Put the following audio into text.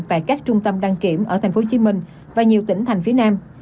tại các trung tâm đăng kiểm ở tp hcm và nhiều tỉnh thành phía nam